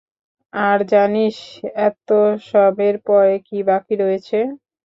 আর জানিস, এতসবের পরে কী বাকি রয়েছে?